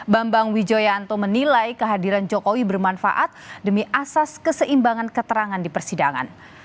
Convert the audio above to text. bambang wijoyanto menilai kehadiran jokowi bermanfaat demi asas keseimbangan keterangan di persidangan